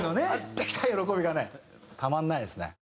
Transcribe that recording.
できた喜びがねたまらないですね。